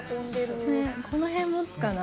この辺もつかな？